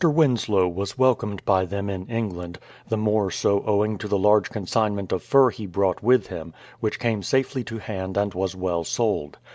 Winslow was welcomed by them in England, the more so owing to the large consignment of fur he brought with him, which came safely to hand and was well sold.